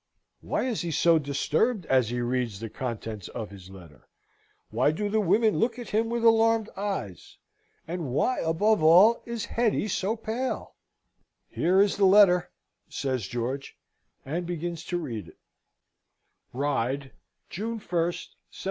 Why is he so disturbed, as he reads the contents of his letter? Why do the women look at him with alarmed eyes? And why, above all, is Hetty so pale? "Here is the letter," says George, and begins to read it: "RYDE, June 1, 1758.